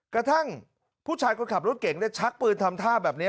กระทั่งผู้ชายคนขับรถเก่งชักปืนทำท่าแบบนี้